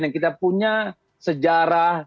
yang kita punya sejarah